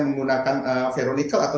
menggunakan veronical atau